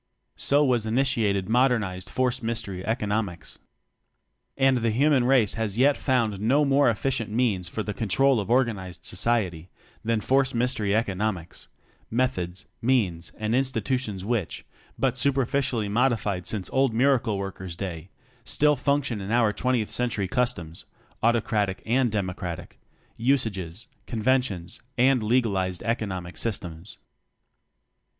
So was initiated modernized force mystery economics. And the human race has as yet found no more efficient means for the control of organized society than force mystery economics; meth ods, means, and institutions which, but superficially modified since old Miracle worker's day, still function in our twentieth century (autocratic and democratic) customs, usages, conven tions, and legalized economic systems.